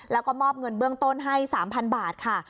แล้วก็มอบเงินเบื้องต้นให้๓๐๐๐บาทค่ะ